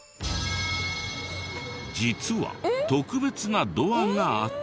実は特別なドアがあって。